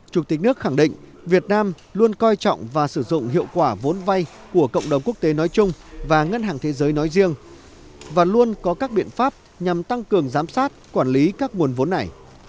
chủ tịch nước khẳng định việt nam luôn coi trọng và sử dụng hiệu quả vốn vay của cộng đồng quốc tế nói chung và ngân hàng thế giới nói riêng và luôn có các biện pháp nhằm tăng cường giám sát quản lý các nguồn vốn này